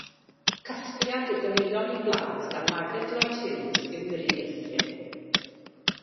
Casgliad o ganeuon i blant gan Margaret Lloyd Hughes yw Miri Meithrin.